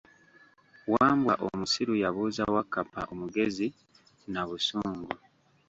Wambwa omusiru yabuuza Wakkappa omugezi na busungu.